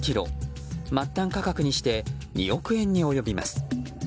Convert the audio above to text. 末端価格にして２億円に及びます。